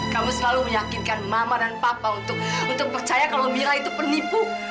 kamu selalu meyakinkan mama dan papa untuk percaya kalau mila itu penipu